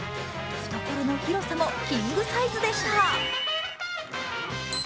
懐の広さもキングサイズでした。